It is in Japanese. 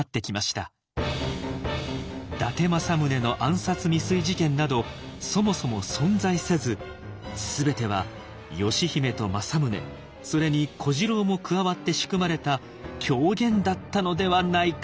伊達政宗の暗殺未遂事件などそもそも存在せずすべては義姫と政宗それに小次郎も加わって仕組まれた狂言だったのではないか。